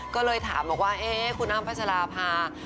ก็เลยถามว่าเอ๊คุณอ้ำภาชาลาภา